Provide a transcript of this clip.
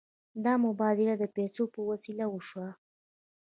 دا مبادله د پیسو په وسیله وشوه.